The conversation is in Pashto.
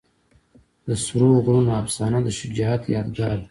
د سرو غرونو افسانه د شجاعت یادګار ده.